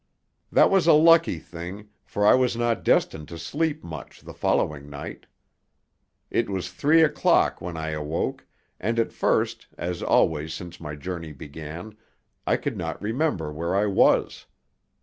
That was a lucky thing, for I was not destined to sleep much the following night. It was three o'clock when I awoke, and at first, as always since my journey began, I could not remember where I was.